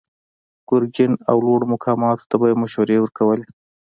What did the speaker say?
ګرګين او لوړو مقاماتو ته به يې مشورې ورکولې.